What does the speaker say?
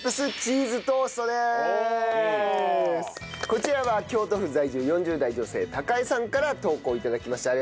こちらは京都府在住４０代女性たかえさんから投稿を頂きました。